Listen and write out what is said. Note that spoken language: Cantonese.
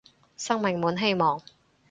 生命滿希望